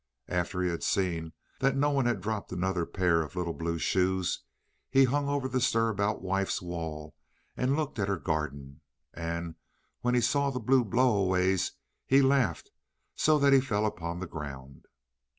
And after he had seen that no one had dropped another pair of little blue shoes, he hung over the Stir about Wife's wall and looked at her garden, and when he saw the blue blow aways he laughed so that he fell upon the ground.